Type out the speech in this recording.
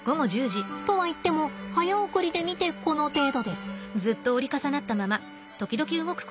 とはいっても早送りで見てこの程度です。